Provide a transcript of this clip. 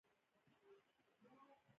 ښځې په خپلو کورونو کې په لاسي صنایعو کار کوي.